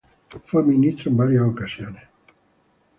Fue Ministro en varias ocasiones.